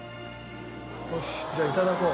よしじゃあいただこう。